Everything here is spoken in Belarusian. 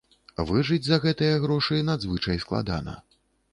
Выжыць за гэтыя грошы надзвычай складана.